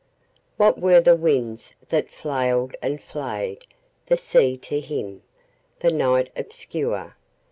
What were the winds that flailed and flayedThe sea to him, the night obscure?